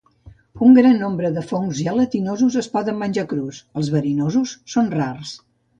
Un gran nombre de fongs gelatinosos es poden menjar crus; els verinosos són rars.